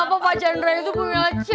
kenapa mbak chandra itu bermil impacts